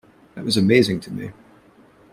That was amazing to me.